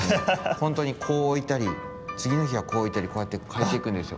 ほんとにこうおいたりつぎのひはこうおいたりこうやってかえていくんですよ。